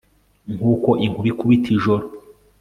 Nkuko inkuba ikubita ijoro